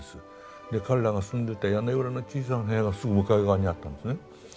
で彼らが住んでた屋根裏の小さな部屋がすぐ向かい側にあったんですね。